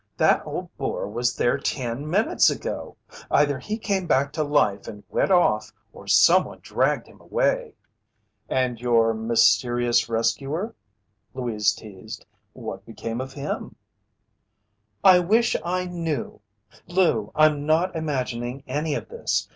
That old boar was there ten minutes ago. Either he came back to life and went off, or someone dragged him away." "And your mysterious rescuer?" Louise teased. "What became of him?" "I wish I knew! Lou, I'm not imagining any of this!